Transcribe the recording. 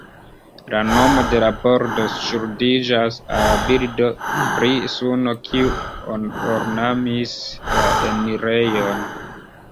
La nomo de la pordo ŝuldiĝas al bildo pri suno kiu ornamis la enirejon.